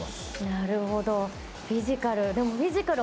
なるほど、フィジカル。